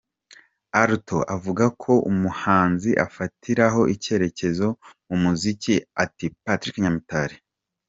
Alto avuga ko umuhanzi afatiraho icyitegererezo mu muziki ari Patrick Nyamitari.